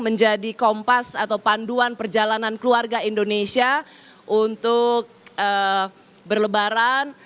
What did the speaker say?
menjadi kompas atau panduan perjalanan keluarga indonesia untuk berlebaran